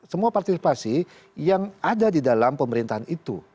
semua partisipasi yang ada di dalam pemerintahan itu